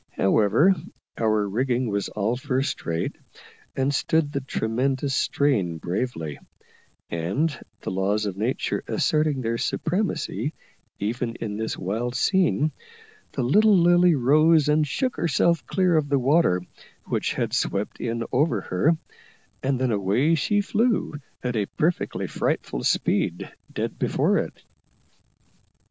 However, our rigging was all first rate, and stood the tremendous strain bravely; and, the laws of nature asserting their supremacy even in this wild scene, the little Lily rose and shook herself clear of the water which had swept in over her, and then away she flew, at a perfectly frightful speed, dead before it.